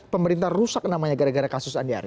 pemerintah rusak namanya gara gara kasus andi arief